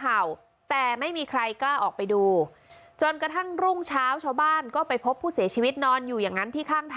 เห่าแต่ไม่มีใครกล้าออกไปดูจนกระทั่งรุ่งเช้าชาวบ้านก็ไปพบผู้เสียชีวิตนอนอยู่อย่างนั้นที่ข้างทาง